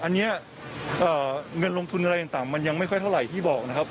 เงินลงทุนอะไรกันต่างยังไม่ค่อยเท่าไหร่ที่บอก